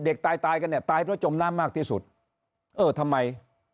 ตายตายกันเนี่ยตายเพราะจมน้ำมากที่สุดเออทำไม